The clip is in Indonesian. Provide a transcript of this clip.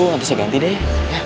nanti saya ganti deh